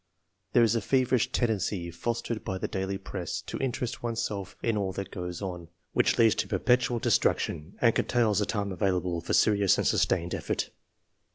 There is a feverish tendency, fostered by the daily press, to interest oneself in all that goes on, which leads to perpetual distraction, and curtails the time avail able for serious and sustained eflfort.